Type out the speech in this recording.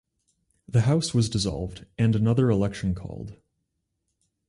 The house was dissolved, and another election called.